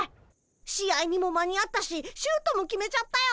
試合にも間に合ったしシュートも決めちゃったよ。